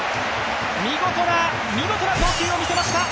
見事な、見事な投球を見せました。